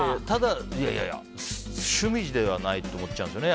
いやいや、趣味ではないと思っちゃうんですよね。